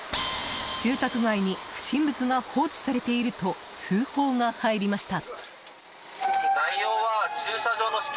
住宅街に不審物が放置されていると通報が入りました。